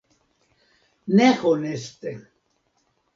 Ne honeste!